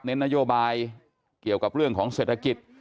นโยบายเกี่ยวกับเรื่องของเศรษฐกิจ